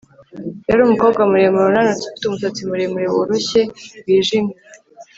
Yari umukobwa muremure unanutse ufite umusatsi muremure woroshye wijimye